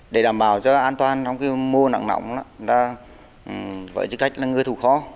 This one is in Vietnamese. để đảm bảo cho an toàn trong mùa nặng nóng với chức trách là người thù khó